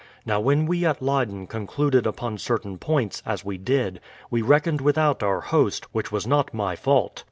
Now when we at Leyden concluded upon certain points, as we did, we reckoned without our host, which was not my fault.